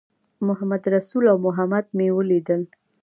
محمدرسول او محمد مې ولیدل.